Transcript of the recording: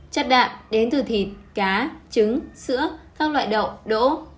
chất đạm đến từ thịt cá trứng sữa các loại đậu đỗ